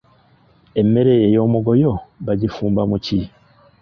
Emmere ey’omugoyo bagifumba mu ki ?